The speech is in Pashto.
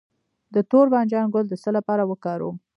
د تور بانجان ګل د څه لپاره وکاروم؟